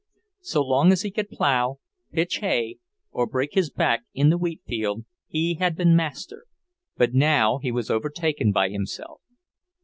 So long as he could plough, pitch hay, or break his back in the wheatfield, he had been master; but now he was overtaken by himself.